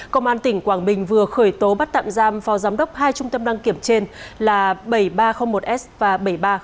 công an tỉnh quảng bình vừa khởi tố bắt tạm giam phò giám đốc hai trung tâm đăng kiểm trên là bảy nghìn ba trăm linh một s và bảy nghìn ba trăm linh ba d